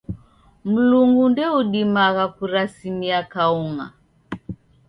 Mlungu ndoudimagha kurasimia kaung'a.